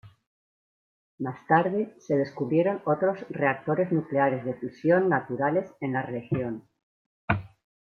Más tarde, se descubrieron otros reactores nucleares de fisión naturales en la región.